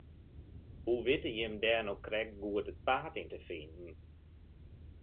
Hoe witte jim dêr no krekt goed it paad yn te finen?